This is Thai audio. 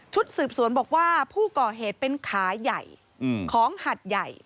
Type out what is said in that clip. สืบสวนบอกว่าผู้ก่อเหตุเป็นขาใหญ่ของหัดใหญ่